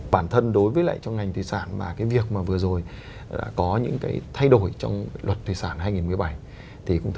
bản thân đối với lại trong ngành thủy sản mà cái việc mà vừa rồi đã có những cái thay đổi trong luật thủy sản hai nghìn một mươi bảy